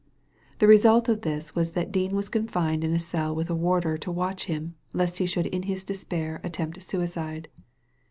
The result of this was that Dean was confined in a cell with a warder to watch him lest he should in his despair attempt suicide.